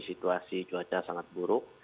situasi cuaca sangat buruk